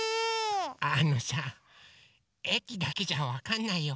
あのさえきだけじゃわかんないよ。